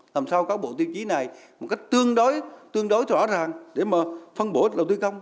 làm sao có bộ tiêu chí này một cách tương đối tương đối rõ ràng để mà phân bổ đầu tư công